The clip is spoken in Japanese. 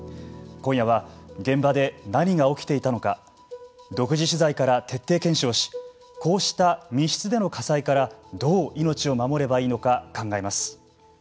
今夜は、現場で何が起きていたのか独自取材から徹底検証しこうした密室での火災からどう命を守ればいいのか考えます。